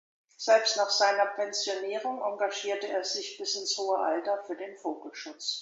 Selbst nach seiner Pensionierung engagierte er sich bis ins hohe Alter für den Vogelschutz.